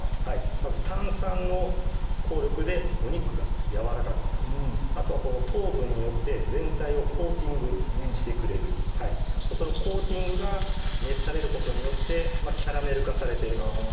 まず炭酸の効力でお肉がやわらかくなるあとは糖分によって全体をコーティングしてくれるそのコーティングが熱されることによってキャラメル化されてあぁ